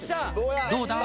どうだ？